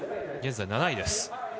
現在７位です。